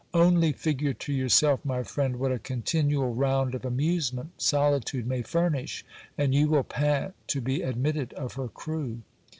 Only figure to yourself, my friend, what a continual round of amusement soli tude may furnish, and you will pant to be admitted of her crew.